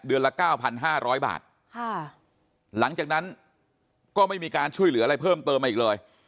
เดือนละ๙๕๐๐บาทหลังจากนั้นก็ไม่มีการช่วยเหลืออะไรเพิ่มเติมมาอีกเลย